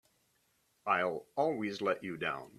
I'll always let you down!